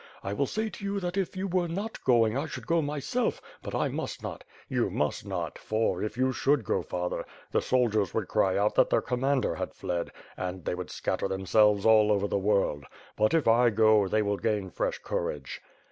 I will say to you that if you were not going, I should go myself; but 1 must not/' "You must not, for, if you should go, father, the soldiers would cry out that their commander had fled; and they would scatter themselves all over the world. But, if I go, they will gain fresh courage."